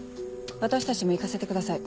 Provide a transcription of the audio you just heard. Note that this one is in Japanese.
私たちも行かせてください。